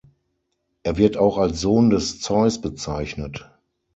Er wird auch als Sohn des Zeus bezeichnet.